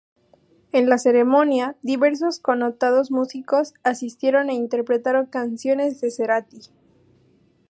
En la ceremonia, diversos connotados músicos asistieron e interpretaron canciones de Cerati.